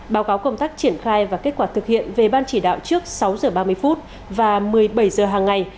báo cáo công tác triển khai và kết quả thực hiện về ban chỉ đạo trước sáu h ba mươi và một mươi bảy h hàng ngày